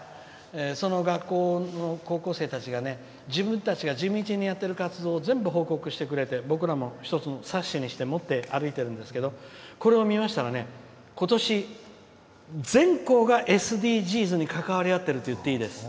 その学校の高校生たちが自分たちが地道にやってる活動を全部、報告してくれて僕らも一つの冊子にして持って歩いてるんですけどこれを見ましたら、ことし全校がＳＤＧｓに関わり合っているといっていいです。